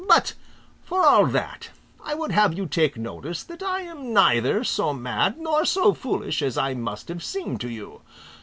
But for all that, I would have you take notice that I am neither so mad nor so foolish as I must have seemed to you.